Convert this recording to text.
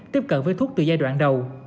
tiếp cận với thuốc từ giai đoạn đầu